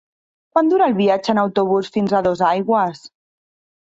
Quant dura el viatge en autobús fins a Dosaigües?